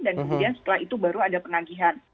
dan kemudian setelah itu baru ada penagihan